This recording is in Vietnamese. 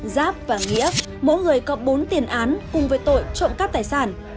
giáp và nghĩa mỗi người có bốn tiền án cùng với tội trộm cắt tài sản